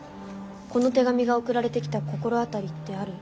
この手紙が送られてきた心当たりってある？